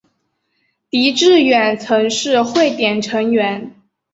狄志远曾是汇点成员。